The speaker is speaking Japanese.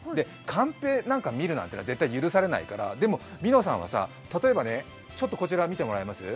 カンペなんか見るなんていうのは絶対許されないからでもみのさんはさ、例えばね、ちょっとこちら見てもらえます？